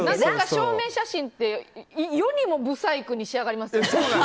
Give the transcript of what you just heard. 証明写真って世にもブサイクに仕上がりますよね。